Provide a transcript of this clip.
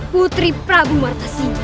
putri prabu martasina